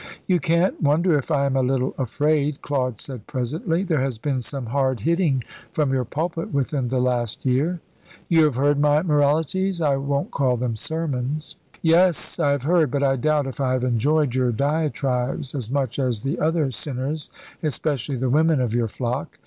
"You can't wonder if I am a little afraid," Claude said presently. "There has been some hard hitting from your pulpit within the last year." "You have heard my moralities I won't call them sermons?" "Yes, I have heard; but I doubt if I have enjoyed your diatribes as much as the other sinners, especially the women of your flock.